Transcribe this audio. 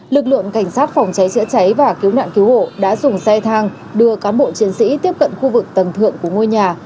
lực lượng cảnh sát phòng cháy chữa cháy và cứu nạn cứu hộ đã dùng xe thang đưa cán bộ chiến sĩ tiếp cận khu vực tầng thượng của ngôi nhà